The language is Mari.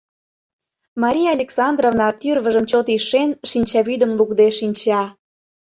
Мария Александровна, тӱрвыжым чот ишен, шинчавӱдым лукде шинча.